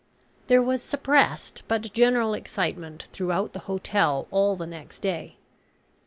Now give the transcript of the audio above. There was suppressed but general excitement throughout the hotel all the next day.